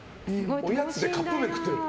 おやつでカップ麺食ってる。